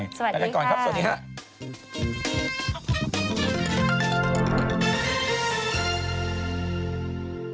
สวัสดีค่ะกลับกันก่อนครับสวัสดีค่ะ